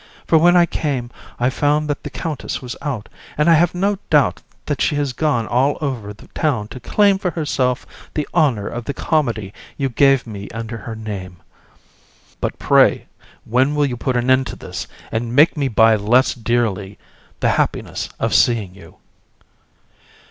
For when I came, I found that the countess was out, and I have no doubt that she is gone all over the town to claim for herself the honour of the comedy you gave me under her name. VISC. But, pray, when will you put an end to this, and make me buy less dearly the happiness of seeing you? JU.